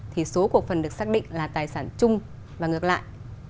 thì số cổ phần được xác định là tài sản chung và ngược lại